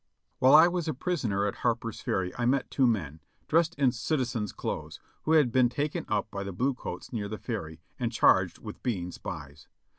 While I was a prisoner at Harper's Ferry I met two men, dressed in citizens' clothes, who had been taken up by the blue coats near the Ferry, and charged with being spies.